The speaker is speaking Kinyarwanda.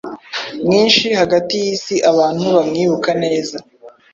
Mwinshi hagati yisi-abantu bamwibuka neza